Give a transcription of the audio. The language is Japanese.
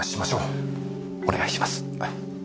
お願いします。